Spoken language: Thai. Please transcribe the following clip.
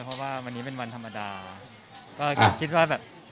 เพราะว่าวันนี้เป็นวันธรรมดาก็คิดว่าแบบ